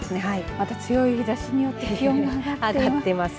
また強い日ざしによって気温が上がっています。